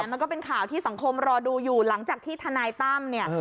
มันก็เป็นข่าวที่สังคมรอดูอยู่หลังจากที่ทนายตั้มเนี่ย